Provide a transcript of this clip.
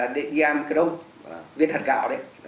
đi ăn cái đông viên hạt gạo đấy